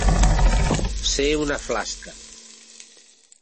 Ser una flasca.